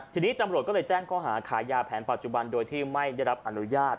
ทีนี้ตำรวจก็เลยแจ้งข้อหาขายยาแผนปัจจุบันโดยที่ไม่ได้รับอนุญาต